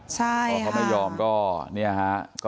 ใช่ค่ะ